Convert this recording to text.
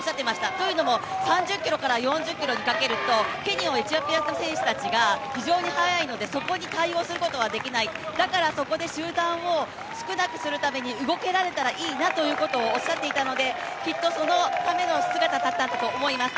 というのも、３０ｋｍから４０ｋｍにかけるとケニアとエチオピアの選手たちが非常に速いので、そこに対応することができない、だからそこで集団を、少なくするために動けたらいいなということをおっしゃっていたのできっとそのための姿だったんだと思います。